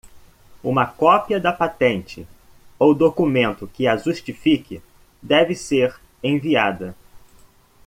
Uma cópia da patente ou documento que a justifique deve ser enviada.